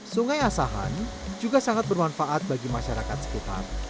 sungai asahan juga sangat bermanfaat bagi masyarakat sekitar